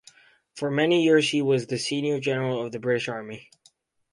For many years he was the senior general of the British Army.